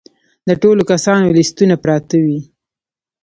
د ټولو کسانو لیستونه پراته وي.